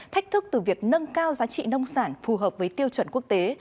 thách thức từ việc nâng cao giá trị nông sản phù hợp với tiêu chuẩn quốc tế